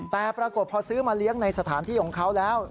แต่ปรากฏพอซื้อมาเลี้ยงในสถานที่ของเขาแล้ว